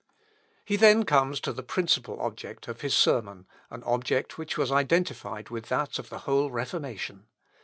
He then comes to the principal object of his sermon, an object which was identified with that of the whole Reformation.